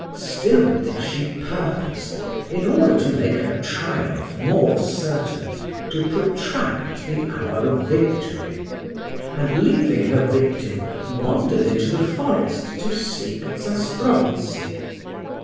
Still did she purpose, in order to make her triumph more certain, to protract the hour of victory; and, leaving her victim, wandered into the forest to seek Zastrozzi.